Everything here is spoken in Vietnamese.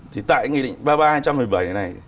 thì tại nghị định ba mươi ba hai trăm một mươi bảy này